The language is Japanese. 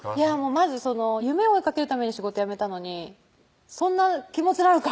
まず夢を追いかけるために仕事辞めたのにそんな気持ちなのか！